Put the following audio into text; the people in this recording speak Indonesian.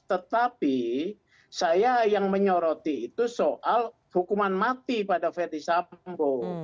tetapi saya yang menyoroti itu soal hukuman mati pada ferdis sambo